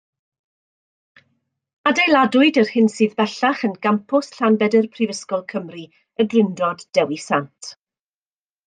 Adeiladwyd yr hyn sydd bellach yn gampws Llanbedr Prifysgol Cymru, y Drindod Dewi Sant.